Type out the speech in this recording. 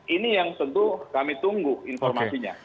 ini yang tentu kami tunggu informasinya